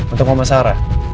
untuk mama sarah